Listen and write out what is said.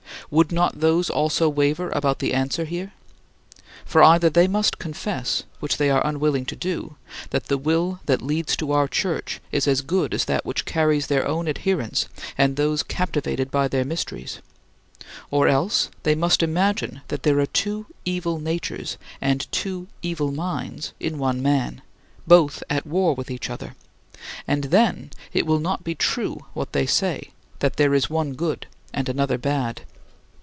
Would not those also waver about the answer here? For either they must confess, which they are unwilling to do, that the will that leads to our church is as good as that which carries their own adherents and those captivated by their mysteries; or else they must imagine that there are two evil natures and two evil minds in one man, both at war with each other, and then it will not be true what they say, that there is one good and another bad.